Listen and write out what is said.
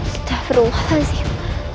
sudah berumahan sih